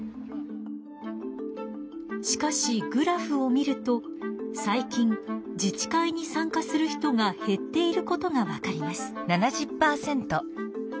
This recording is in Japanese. しかしグラフを見ると最近自治会に参加する人が減っていることがわかります。